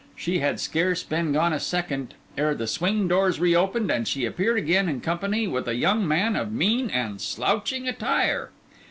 She had scarce been gone a second, ere the swing doors reopened, and she appeared again in company with a young man of mean and slouching attire.